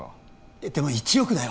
えっでも１億だよ